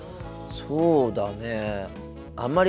そうだね。